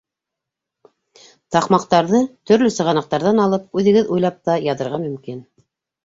Таҡмаҡтарҙы төрлө сығанаҡтарҙан алып та, үҙегеҙ уйлап та яҙырға мөмкин.